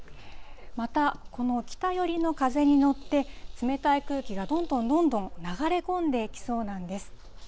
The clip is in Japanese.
またこの北寄りの風に乗って、冷たい空気がどんどんどんどん流れ込んでいきそうなんです。